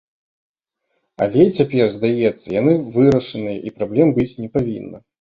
Але цяпер, здаецца, яны вырашаныя і праблем быць не павінна.